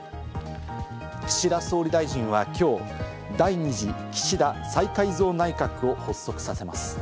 岸田総理大臣はきょう、第２次岸田再改造内閣を発足させます。